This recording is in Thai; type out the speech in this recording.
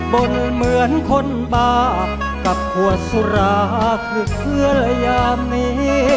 บ่งเหมือนคนบาปกับขวดสุราคือเสื้อและยามนี้